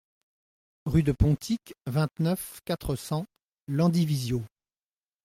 Rue du Pontic, vingt-neuf, quatre cents Landivisiau